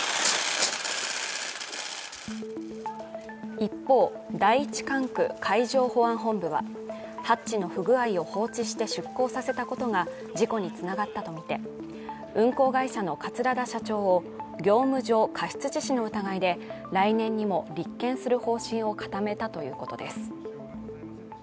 一方、第一管区海上保安本部はハッチの不具合を放置して出港させたことが事故につながったとみて運航会社の桂田社長を業務上過失致死の疑いで来年にも立件する方針を固めたということです。